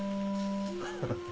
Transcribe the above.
ハハハ。